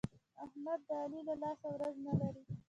احمد د علي له لاسه ورځ نه لري.